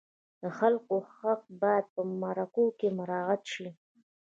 د خلکو حق باید په مرکو کې مراعت شي.